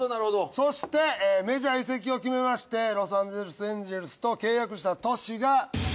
そしてメジャー移籍を決めましてロサンゼルス・エンゼルスと契約した年が。